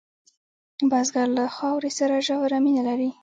بزګر له خاورې سره ژوره مینه لري